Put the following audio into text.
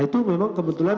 itu memang kebetulan